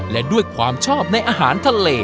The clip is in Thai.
และด้วยความชอบในอาหารทะเล